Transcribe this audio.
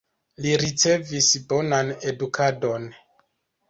Li ricevis bonan edukadon.